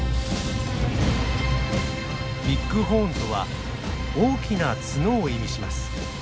ビッグホーンとは「大きな角」を意味します。